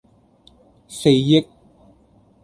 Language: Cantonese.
四億